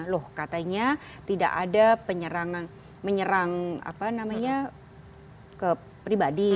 loh katanya tidak ada penyerangan menyerang apa namanya ke pribadi